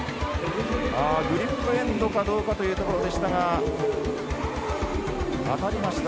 グリップエンドかどうかというところでしたが当たりました。